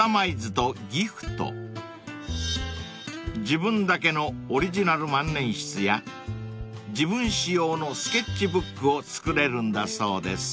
［自分だけのオリジナル万年筆や自分仕様のスケッチブックを作れるんだそうです］